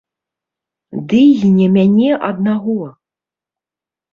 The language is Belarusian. Ды і не мяне аднаго.